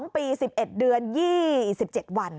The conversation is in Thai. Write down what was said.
๒ปี๑๑เดือน๒๗วัน